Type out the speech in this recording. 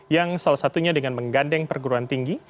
yang salah satunya dengan menggandeng perguruan tinggi